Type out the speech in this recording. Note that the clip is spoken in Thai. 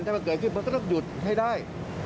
ถ้ามันเกิดขึ้นมันก็ต้องหยุดให้ได้